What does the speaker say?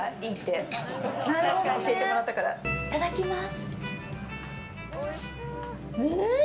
いただきます。